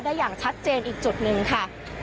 อย่างชัดเจนอีกจุดหนึ่งค่ะ